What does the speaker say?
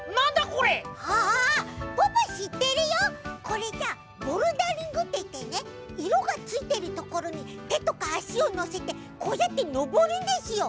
これさボルダリングっていってねいろがついてるところにてとかあしをのせてこうやってのぼるんですよ。